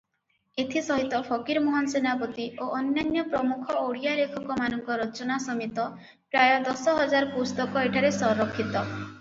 ଏଥିସହିତ ଫକୀରମୋହନ ସେନାପତି ଓ ଅନ୍ୟାନ୍ୟ ପ୍ରମୁଖ ଓଡ଼ିଆ ଲେଖକମାନଙ୍କ ରଚନା ସମେତ ପ୍ରାୟ ଦଶ ହଜାର ପୁସ୍ତକ ଏଠାରେ ସଂରକ୍ଷିତ ।